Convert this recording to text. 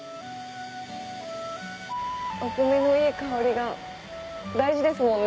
お米のいい香りが大事ですもんね